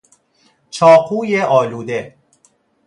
چاقوی آلوده